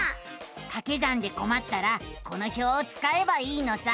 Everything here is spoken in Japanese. かけ算でこまったらこの表をつかえばいいのさ。